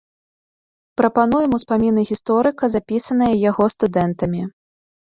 Прапануем ўспаміны гісторыка, запісаныя яго студэнтамі.